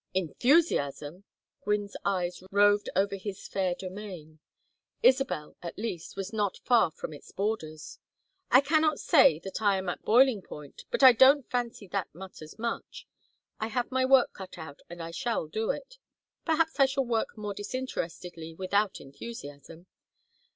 "Enthusiasm!" Gwynne's eyes roved over his "fair domain." Isabel, at least, was not far from its borders! "I cannot say that I am at boiling point, but I don't fancy that matters much. I have my work cut out and I shall do it. Perhaps I shall work more disinterestedly without enthusiasm.